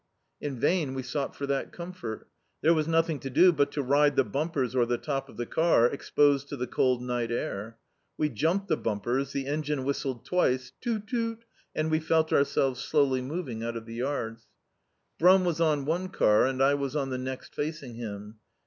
In vain we sought for that com forL There was nothing to do but to ride the bumpers or the top of the car, exposed to the cold night air. We jumped the bumpers, the engine whistled twice, toot! toot! and we felt ourselves slowly moving out of the yards. Brum was on one car and I was on the next facing him.